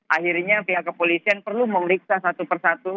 akhirnya pihak kepolisian perlu memeriksa satu persatu